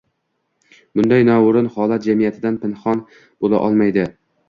Bunday noo‘rin holat jamiyatdan pinhon bo‘la olmaydi.